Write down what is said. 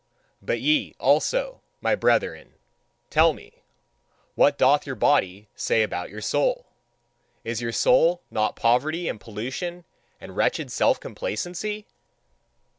But ye, also, my brethren, tell me: What doth your body say about your soul? Is your soul not poverty and pollution and wretched self complacency?